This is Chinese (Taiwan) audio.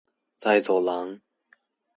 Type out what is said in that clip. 在走廊